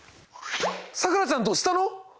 さくらちゃんどしたの？